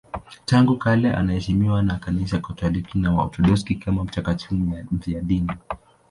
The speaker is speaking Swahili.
Tangu kale anaheshimiwa na Kanisa Katoliki na Waorthodoksi kama mtakatifu mfiadini.